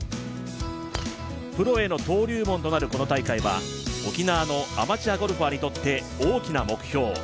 プロへの登竜門となるこの大会は沖縄のアマチュアゴルファーにとって大きな目標。